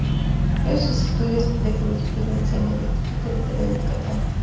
Hizo sus estudios de jurisprudencia en el Instituto Literario de Yucatán.